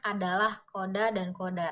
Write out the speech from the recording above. adalah koda dan kodar